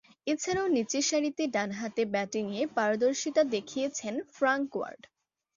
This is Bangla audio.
এছাড়াও, নিচেরসারিতে ডানহাতে ব্যাটিংয়ে পারদর্শীতা দেখিয়েছেন ফ্রাঙ্ক ওয়ার্ড।